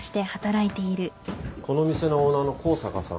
この店のオーナーの高坂さん。